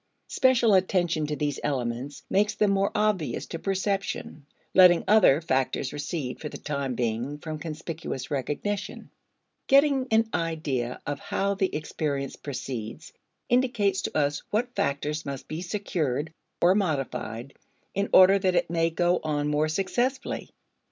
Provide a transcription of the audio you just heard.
Special attention to these elements makes them more obvious to perception (letting other factors recede for the time being from conspicuous recognition). Getting an idea of how the experience proceeds indicates to us what factors must be secured or modified in order that it may go on more successfully.